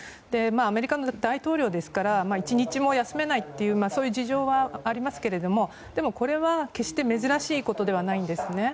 アメリカの大統領ですから１日も休めないというそういう事情はありますけれどもでもこれは決して珍しいことではないんですね。